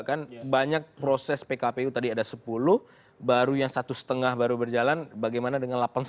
kan banyak proses pkpu tadi ada sepuluh baru yang satu setengah baru berjalan bagaimana dengan